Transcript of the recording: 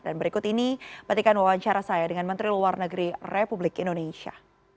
dan berikut ini batikan wawancara saya dengan menteri luar negeri republik indonesia